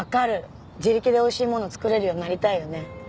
自力でおいしいもの作れるようになりたいよね。